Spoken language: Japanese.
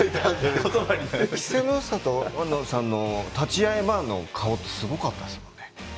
稀勢の里さんの立ち合い前の顔ってすごかったですもんね。